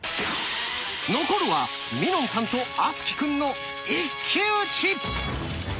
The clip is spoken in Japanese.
残るはみのんさんと敦貴くんの一騎打ち。